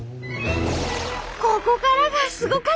ここからがすごかった！